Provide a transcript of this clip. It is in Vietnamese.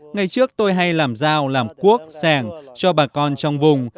ngày trước tôi hay làm dao làm cuốc sẻng cho bà con trong vùng